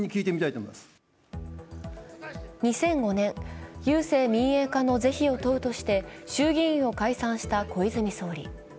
２００５年、郵政民営化の是非を問うとして衆議院を解散した小泉総理。